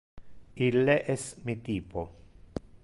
Ille es mi typo!